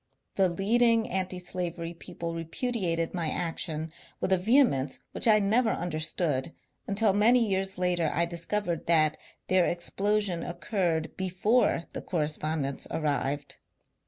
The leading antislavery people repudiated my action with a vehemence which I never understood until many years later I discovered that their ex plosion occurred before the correspondence arrived.